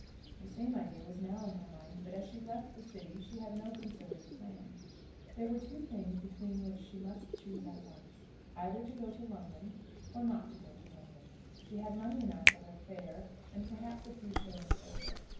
The same idea was now in her mind, but as she left the city she had no concerted plan. There were two things between which she must choose at once, either to go to London, or not to go to London. She had money enough for her fare, and perhaps a few shillings over.